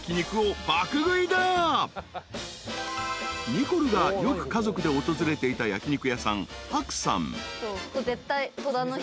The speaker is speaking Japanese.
［ニコルがよく家族で訪れていた焼き肉屋さん］